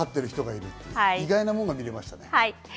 意外なものが見られましたね。